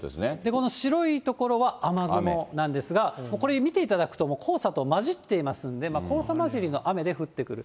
この白い所は雨雲なんですが、これ、見ていただくと、黄砂と交じっていますんで、黄砂交じりの雨で降ってくる。